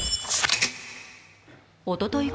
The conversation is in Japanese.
おととい